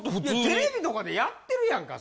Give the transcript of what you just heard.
テレビとかでやってるやんか